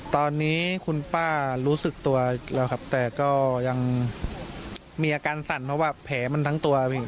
ตอนนี้คุณป้ารู้สึกตัวแต่ก็ยังมีอาการสั่นเพราะแผลมันทั้งตัว